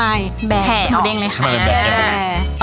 แบ่งหมูเด้งเลยค่ะแบ่งหมูเด้งเลยค่ะแบ่งหมูเด้งเลยค่ะ